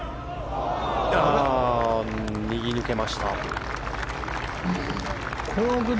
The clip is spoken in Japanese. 右に抜けました。